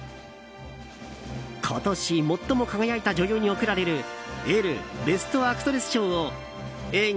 今年最も輝いた女優に贈られるエルベストアクトレス賞を映画